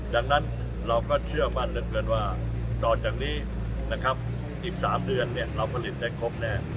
ดังนั้นเราก็เชื่อมั่นเหลือเกินว่าต่อจากนี้นะครับอีก๓เดือนเราผลิตได้ครบแน่